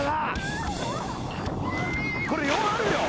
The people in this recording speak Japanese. これ４あるよ。